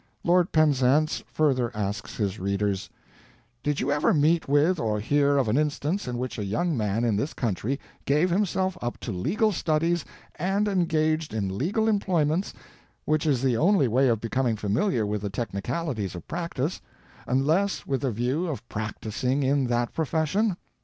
Lord Penzance further asks his readers: "Did you ever meet with or hear of an instance in which a young man in this country gave himself up to legal studies and engaged in legal employments, which is the only way of becoming familiar with the technicalities of practice, unless with the view of practicing in that profession?